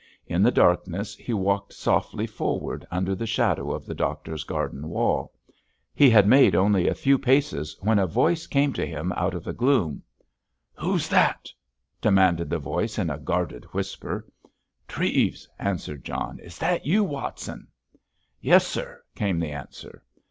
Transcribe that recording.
In the darkness he walked softly forward under the shadow of the doctor's garden wall He had made only a few paces when a voice came to him out of the gloom. "Who's that?" demanded the voice, in a guarded whisper. "Treves," answered John. "Is that you, Watson?" "Yes, sir," came the answer.